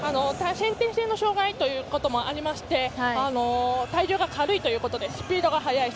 先天性の障がいということもありまして体重が軽いということでスピードが速い。